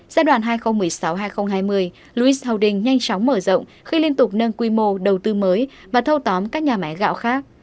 giai đoạn hai nghìn một mươi sáu hai nghìn hai mươi louis holding nhanh chóng mở rộng khi liên tục nâng quy mô đầu tư mới và thâu tóm các nhà máy gạo khác